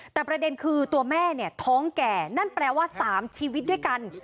แต่ประเด็นคือตัวแม่เนี่ยท้องแก่นั่นแปลว่า๓ชีวิตด้วยกัน